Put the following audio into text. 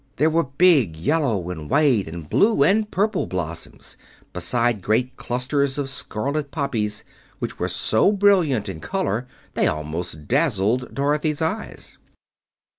There were big yellow and white and blue and purple blossoms, besides great clusters of scarlet poppies, which were so brilliant in color they almost dazzled Dorothy's eyes.